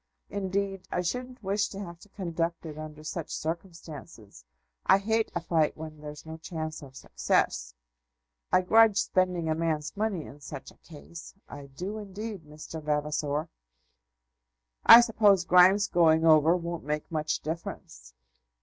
Indeed, I shouldn't wish to have to conduct it under such circumstances. I hate a fight when there's no chance of success. I grudge spending a man's money in such a case; I do indeed, Mr. Vavasor." "I suppose Grimes's going over won't make much difference?"